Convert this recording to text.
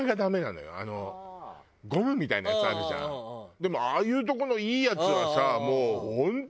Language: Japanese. でもああいうとこのいいやつはさもう本当。